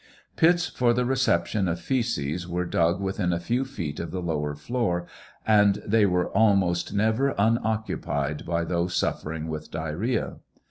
Pits for the reception of faece were dug within afew feet of the lower floor, and they were almost never unoccupied by thos suffering with diarrhoea.